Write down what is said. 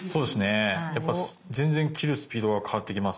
やっぱ全然切るスピードが変わってきます。